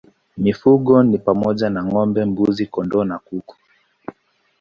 Mifugo ni pamoja na ng'ombe, mbuzi, kondoo na kuku.